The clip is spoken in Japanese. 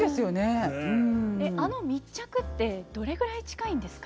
あの密着ってどれぐらい近いんですか？